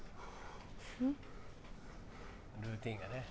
ルーティンがね。